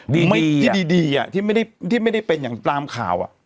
ดีดีอ่ะที่ไม่ได้ที่ไม่ได้เป็นอย่างตามข่าวอ่ะ